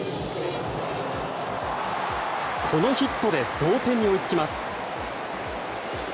このヒットで同点に追いつきます。